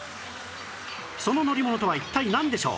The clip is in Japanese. その乗り物とは一体なんでしょう？